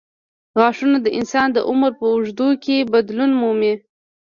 غاښونه د انسان د عمر په اوږدو کې بدلون مومي.